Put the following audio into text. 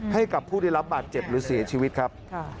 ให้กับผู้ได้รับบาดเจ็บหรือเสียชีวิตครับ